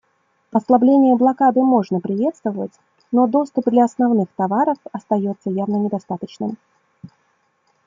Ослабление блокады можно приветствовать, но доступ для основных товаров остается явно недостаточным.